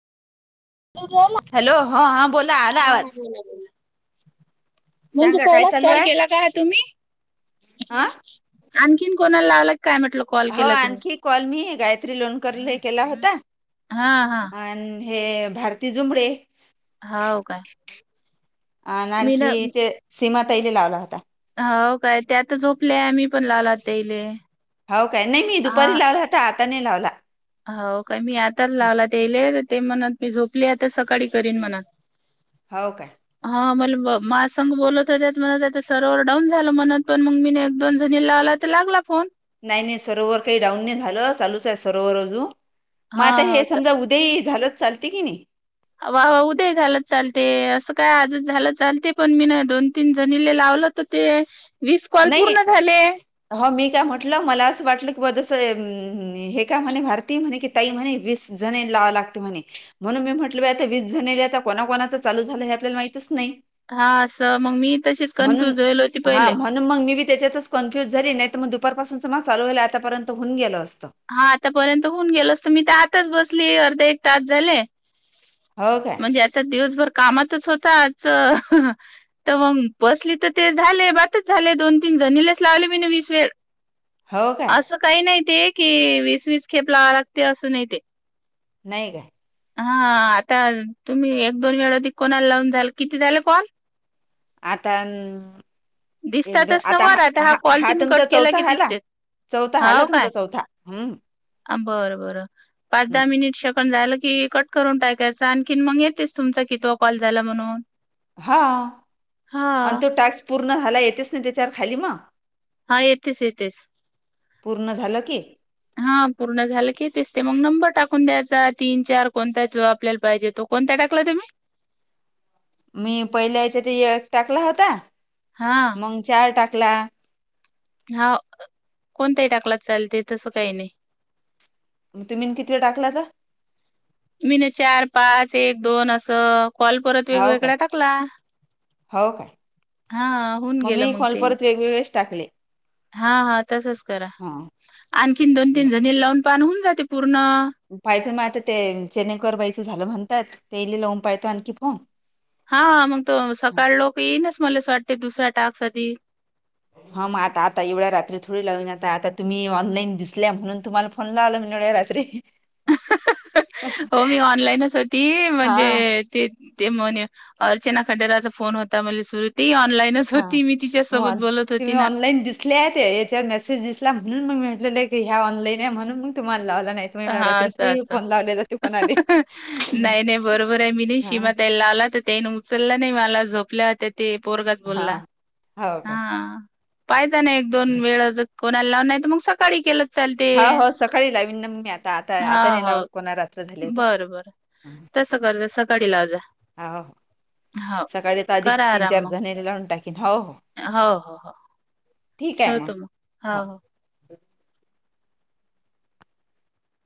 [inaudible] Hello ह हा बोला. आला आवाज. हा बोला. म्हणजे सांगा काय पहिलाच चालू कॉल आहे केला का हा तुम्ही? हा आणखीन कोणाला लावला काय म्हटलं. कॉल हो केला तुम्ही आणखी कॉल मी गायत्री लोणकरला केला होता. हा हा. आणि हे भारती झुंबडे. हाव काय. आण मी ना आणखी तेे सीमा ताईने लावला होता. हो काय त्या तर झोपल्या. मी पण लावलात इले. होव काय. नाही मी दुपारी लावला होता. आता नाही लावला. होव काय मी आता लावला तेले ते म्हणत ती झोपले आता सकाळी करीन म्हणत. हव काय. हा मला माझ्या संघ बोलत होत्यात म्हणत होत्या सरवर डाऊन झालं म्हणत पण मग मी एक दोन जणी लावला तर लागला फोन. नाही नाही सर्व्हर काही डाऊन नाही झालं. चालूच आहे सर्व्हर अजून मग हा आता हे हो समजा उद्या ते झालंत चालत की नाही. व्हाव उद्या झालं चालते. असं काय आज झालं चालते पण मी ना दोन तीन जणीले लावल. तर ते वीस कॉल नाही पूर्ण झाले. हो मी काय म्हटलं मला असं वाटलं की ब जसं हे काय म्हणे भारतीय म्हणे कि, ताई म्हणे वीस जणे लावावं लागते म्हणे म्हणून मी म्हटलं पा आता वीस जनी आहे आता कोणा कोणाच चालू झालंय हे आपल्याला माहितच नाही. हा असं मग मी तशीच म्हणून कन्फ्युज होईल होती हां पहिले. म्हणून मग मी बी त्याच्यातच कन्फ्युज झाली नाही तर मग दुपार पासून मग चालू झालं आतापर्यंत होऊन गेलं असतं. हा आतापर्यंत होऊन गेलो असत. मी तर आताच बसली अर्धा एक तास झाले. हो काय म्हणजे आता दिवसभर कामातच होता आजच तेव्हा बसली तर ते झाले बातच झाले. दोन तीन जणीलेच लावले मी वीस वेळ. हो काय असं काही नाही ते कि वीस वीस खेप लावाय लागते. असं नाही ते नाही का. हा आता तुम्ही एक- दोन वेळा ते कोणाला लावून झाल? किती झाले कॉल? आता एक दोन दिसतातच ना आता वर हा हा कॉल हा तुम्ही तुमचा कट केला चौथा की हाला. दिसते चौथा हा. हाव काय तुमचा चौथा हम्म... बरं बरं. पाच -दहा मिनिट सेकंद झालं की, कट करून टाकायचं. आणखीन मग येतेच तुमचा कितवा कॉल झाला म्हणून हा हा आणि तो टास्क पूर्ण झाला येतेच ना त्याच्यावर खाली मग. हा येथेच येेथेच पूर्ण झालं की. हा पुर्ण झालं की तेचते मग नंबर टाकून द्यायचा तीन चार कोणता तो आपल्याला पाहिजे तो. कोणता टाकलाय तुम्ही मी पहिल्या याच्यात टाकला होता. हा.. मग चार टाकला. हा कोणताही टाकलात चालतय तस काही नाही. मग तुम्ही किती वे टाकलाता. मी ना चार पाच एक दोन असं कॉल परत हो काय वेगवेगळा टाकला. हो काय हा होऊन मग गेलं मी कॉल ते परत वेगवेगळेच टाकले. हा हा तसच करा हां आणखीन दोन तीन जणीना लावून बघा होऊन जाते पूर्ण. पाहितो मग आता ते जचेनेकर बाईचं झालं म्हणतात इ ल लावन आणखी फोग. हा मग तो सकाळ लोक येईनच मलाच वाटते दुसऱ्या टासक आधी हां म आता आता एवढ्या रात्री थोडी लावीन आता तुम्ही ऑनलाईन दिसल्या म्हणून तुम्हाला. म्हणून लावलो मीन एवढ्या रात्री. हो मी ऑनलाईनच होती म्हणजे हां ते ते म्हणे अर्चना खडेराचा फोन होता म्हणले सुरु ती ऑनलाईनच. हां होती मी मग तिच्यासोबत बोलत होती तुम्ही ना. ऑनलाईन याच्यावर मेसेज दिसला म्हणून मी म्हटल ह्या ऑनलाईन आहे म्हणून मग तुम्हाला लावला. नाही तुम्ही एवढ्या हा रात्री अस थोडी अस फोन लावले जाते कोणाले नाही नाही बरोबर आहे मी नई हा सीमा ताईला लावला तर त्यान उचललं नाही मला झोपल्या होत्या ते पोरगाच हा बोलला हो काय हा. पाहिचा ना एक दोन हं. वेळ कोणाला लावून नाही तर मग सकाळी केलं. चालते. हो हो सकाळी लावीन ना मी आता आता हा आता नाही हो लावत कोणाला रात्र झाले आता. बरं बरं. तसं करजा सकाळी लाजा. हाव. सकाळी आता अधिक करा तीन आराम चार मग जणींन लावून टाकीन हो हो. हो हो ठीक आहे मग. हा हो.